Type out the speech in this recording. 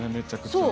そう。